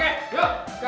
terima kasih pak